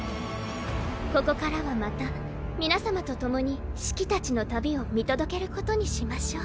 ここからはまた皆様と共にシキたちの旅を見届けることにしましょう。